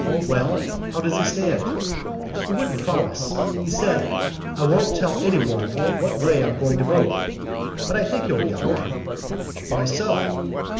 "Well? How does he stand?" "He wouldn't promise. He said: 'I won't tell anyone what way I'm going to vote.' But I think he'll be all right." "Why so?"